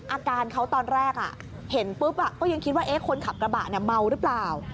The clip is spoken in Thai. อาการเขาตอนแรกเห็นปุ๊บก็ยังคิดว่าคนขับกระบะเมาหรือเปล่า